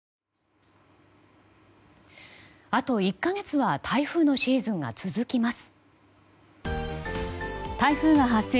あと１か月は台風のシーズンが続きます。